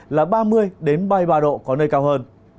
là ba mươi ba mươi ba độ có nơi cao hơn